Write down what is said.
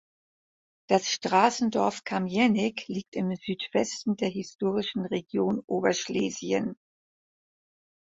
Das Straßendorf Kamiennik liegt im Südwesten der historischen Region Oberschlesien.